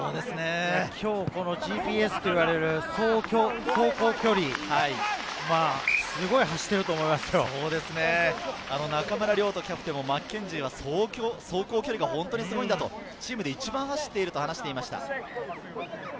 今日、このＧＰＳと言われる走行距離、すごい走中村亮土キャプテンもマッケンジーは走行距離が本当にすごいんだ、チームで一番走っていると話していました。